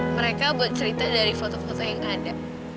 mereka buat cerita dari foto foto yang ada